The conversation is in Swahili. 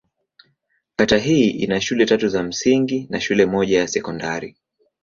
Kata hii ina shule tatu za msingi na shule moja ya sekondari.